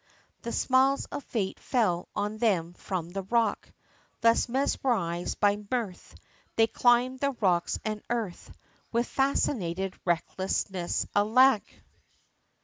The smiles of fate fell on them from the rock, Thus mesmerised by mirth, They climbed the rocks, and earth, With fascinated recklessness alack!